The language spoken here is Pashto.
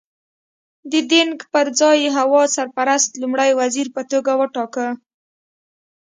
د دینګ پر ځای هوا سرپرست لومړی وزیر په توګه وټاکه.